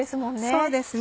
そうですね。